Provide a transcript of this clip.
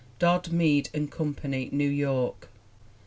Dodd, Mead & Com pany, New York.